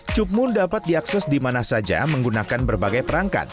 cupmoon dapat diakses di mana saja menggunakan berbagai perangkat